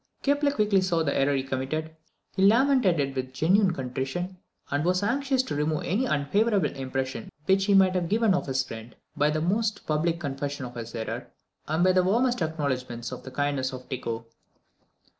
Kepler quickly saw the error which he committed; he lamented it with genuine contrition, and was anxious to remove any unfavourable impression which he might have given of his friend, by the most public confession of his error, and by the warmest acknowledgments of the kindness of Tycho.